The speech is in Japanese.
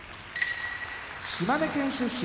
島根県出身